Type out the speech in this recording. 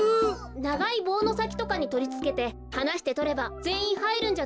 ながいぼうのさきとかにとりつけてはなしてとればぜんいんはいるんじゃないですか？